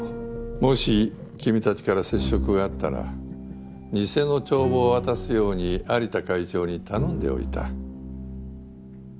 もし君たちから接触があったら偽の帳簿を渡すように蟻田会長に頼んでおいた。